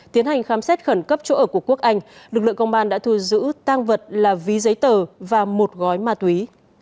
tiến hành khám xét khẩn cấp chỗ ở của quốc anh lực lượng công an đã thu giữ tang vật là ví giấy tờ và một gói ma túy